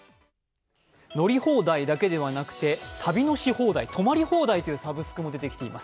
乗り放題だけではなくて旅のし放題、泊まり放題というサブスクも出てきています。